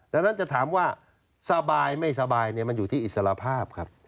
ดังนั้นจะถามว่าสบายไม่สบายมันอยู่ที่อิสระภาพครับ